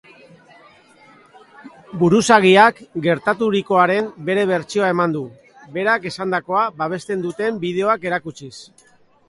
Buruzagiak gertaturikoaren bere bertsioa eman du, berak esandakoa babesten duten bideoak erakutsiz.